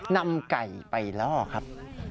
นำไก่ไปล่อครับ